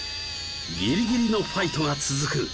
ギリギリのファイトが続く！